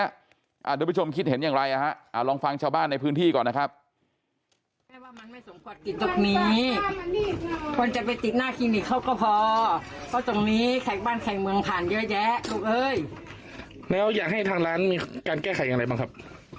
เดี๋ยวผู้ชมคิดเห็นอย่างไรนะฮะลองฟังชาวบ้านในพื้นที่ก่อนนะครับ